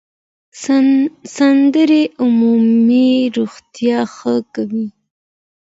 سندرې عمومي روغتیا ښه کوي.